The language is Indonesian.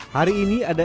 hari ini ada